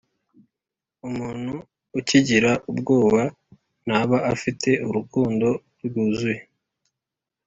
umuntu ukigira ubwoba ntaba afite urukundo rwuzuye